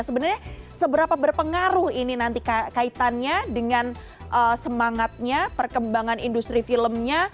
sebenarnya seberapa berpengaruh ini nanti kaitannya dengan semangatnya perkembangan industri filmnya